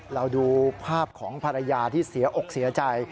เราดูภาพของภรรยาที่เสียอกเสียใจ